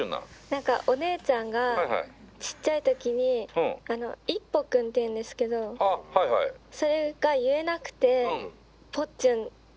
何かお姉ちゃんがちっちゃい時にイッポ君っていうんですけどそれが言えなくてぽっちゅん。